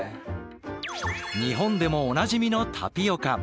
日本でもおなじみのタピオカ。